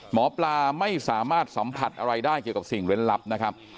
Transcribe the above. หมอปลาไม่สามารถสัมผัสอะไรได้เกี่ยวกับสิ่งเล่นลับนะครับ